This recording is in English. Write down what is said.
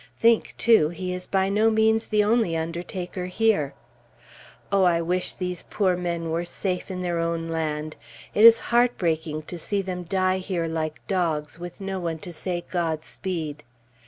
Think, too, he is by no means the only undertaker here! Oh, I wish these poor men were safe in their own land! It is heartbreaking to see them die here like dogs, with no one to say Godspeed.